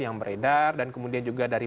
yang beredar dan kemudian juga dari